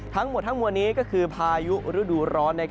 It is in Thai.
ทั้งหมดทั้งมวลนี้ก็คือพายุฤดูร้อน